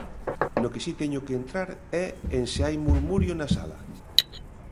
No que si teño que entrar é en se hai murmurio na sala.